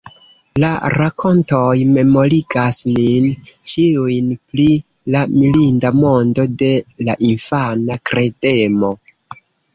La rakontoj memorigas nin ĉiujn pri la mirinda mondo de la infana kredemo.